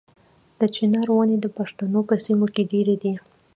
د چنار ونې د پښتنو په سیمو کې ډیرې دي.